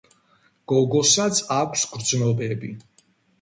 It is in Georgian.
გოგოსაც აქვს გრძნობები